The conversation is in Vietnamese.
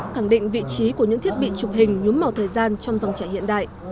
khẳng định vị trí của những thiết bị chụp hình nhuốm màu thời gian trong dòng trẻ hiện đại